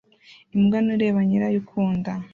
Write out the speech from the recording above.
Imbwa nto ireba nyirayo ukunda